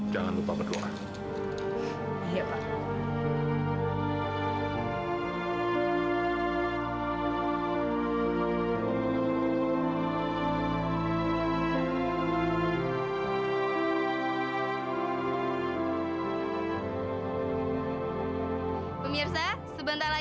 jangan lupa berdoa